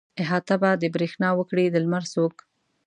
احاطه به د برېښنا وکړي د لمر څوک.